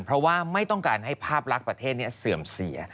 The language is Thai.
เพราะว่าไม่ต้องการให้ภาพลักษณ์ประเทศเสื่อมเสีย